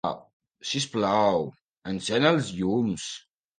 Sisplau, encén els llums.